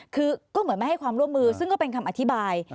คือก็เหมือนไม่ให้ความร่วมมือซึ่งก็เป็นคำอธิบาย